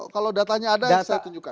kalau datanya ada saya tunjukkan